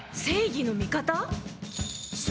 正義の味方？